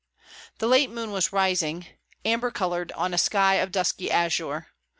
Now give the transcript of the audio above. The late moon was rising, amber coloured on a sky of dusky azure.